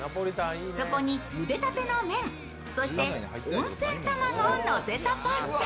そこにゆでたての麺、そして温泉卵をのせたパスタ。